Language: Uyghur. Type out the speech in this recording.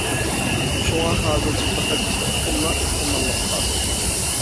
شۇڭا ھازىرچە پەقەت ئىككى خىللا ئېھتىماللىق بار.